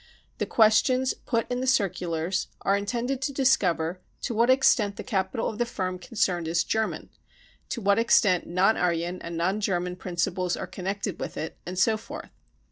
3 The questions put in the circulars are intended to discover to what extent the capital of the firm concerned is German, to what extent non Aryan and non German principals are connected with it, and so forth.